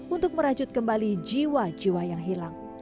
untuk merajut kembali jiwa jiwa yang hilang